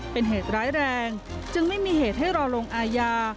เป็นเหตุร้ายแรงจึงไม่มีเหตุให้รอลงอาญา